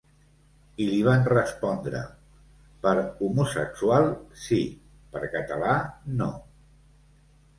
I li van respondre: ‘Per homosexual, sí; per català, no’.